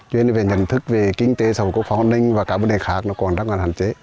cho nên là nhận thức về kinh tế sở hữu quốc phó hôn ninh và các vấn đề khác nó còn rất là hạn chế